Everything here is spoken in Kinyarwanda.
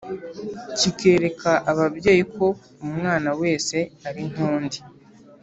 kikereka ababyeyi ko umwana wese ari nk’undi